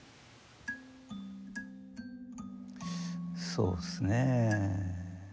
そうですね。